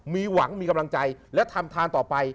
มีหวังมีกำลังใจและทำทานต่อไป